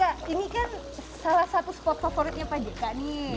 pak ini kan salah satu spot favoritnya pak jk nih